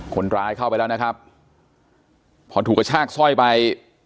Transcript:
คนร้ายเข้าไปแล้วนะครับพอถูกกระชากสร้อยไป